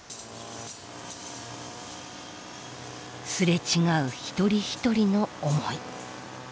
擦れ違う一人一人の思い。